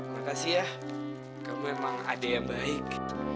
makasih ya kamu emang adeg yang baik